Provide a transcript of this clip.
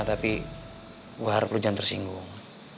tapi gua harap lu jangan tersinggung